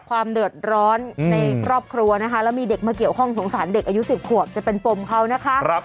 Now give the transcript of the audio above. ความเดือดร้อนในครอบครัวนะคะแล้วมีเด็กมาเกี่ยวข้องสงสารเด็กอายุ๑๐ขวบจะเป็นปมเขานะคะ